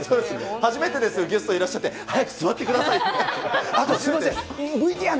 初めてですよ、ゲストいらっしゃって、早く座ってくださいって。